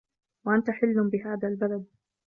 وَأَنتَ حِلٌّ بِهذَا البَلَدِ